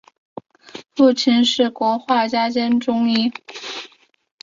父亲是国画家兼中医。